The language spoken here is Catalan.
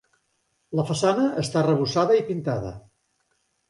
La façana està arrebossada i pintada.